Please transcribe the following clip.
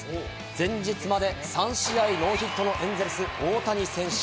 前日まで３試合ノーヒットのエンゼルス・大谷選手。